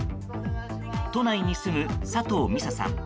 都内に住む佐藤未紗さん。